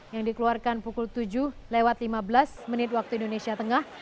yang dikeluarkan pukul tujuh lewat lima belas menit waktu indonesia tengah